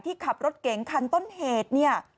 ที่ขับรถเก๋งคันต้นเหตุ